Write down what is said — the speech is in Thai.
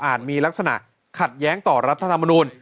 มีลักษณะขัดแย้งต่อรัฐธรรมนูล